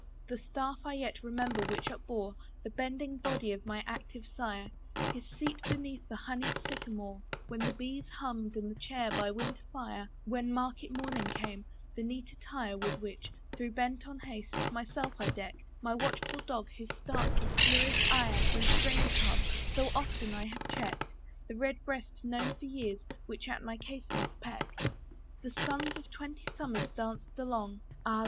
The staff I yet remember which upbore The bending body of my active sire; His seat beneath the honeyed sycamore When the bees hummed, and chair by winter fire; When market morning came, the neat attire With which, though bent on haste, myself I deck'd; My watchful dog, whose starts of furious ire, When stranger passed, so often I have check'd; The red breast known for years, which at my casement peck'd. The suns of twenty summers danced along, Ah!